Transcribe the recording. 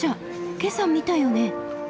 今朝見たよね。